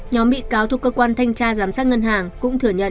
nhóm bị cáo thuộc cơ quan thanh tra giám sát ngân hàng cũng thừa nhận